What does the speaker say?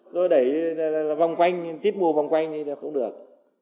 rồi đẩy vòng quanh tiết bù vòng quanh thì không được